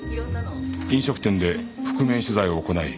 飲食店で覆面取材を行い